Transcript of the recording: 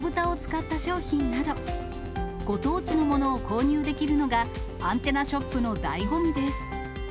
棚いっぱいに並んだ焼酎に、黒豚を使った商品など、ご当地のものを購入できるのが、アンテナショップのだいご味です。